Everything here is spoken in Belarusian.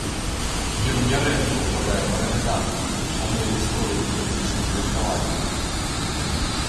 Ён нярэдка ўпадае ў маралізатарства і шануе гісторыю з дыдактычных меркаванняў.